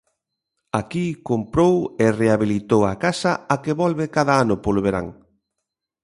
Aquí comprou e rehabilitou a casa á que volve cada ano polo verán.